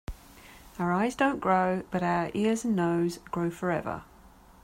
Our eyes don‘t grow, but our ears and nose grow forever.